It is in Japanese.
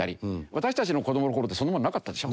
私たちの子どもの頃ってそんなものなかったでしょ？